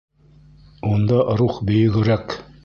Унда рух бөйөгөрәк!